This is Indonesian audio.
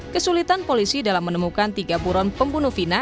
kesulitan polisi dalam menemukan tiga buron pembunuh vina